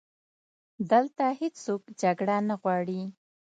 دلته هیڅوک جګړه نه غواړي